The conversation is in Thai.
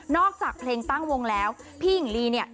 จากเพลงตั้งวงแล้วพี่หญิงลีเนี่ย